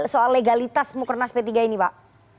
soal legalitas mukernas p tiga ini pak